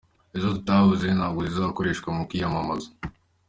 Izo tutavuze ntabwo zizakoreshwa mu kwiyamamaza.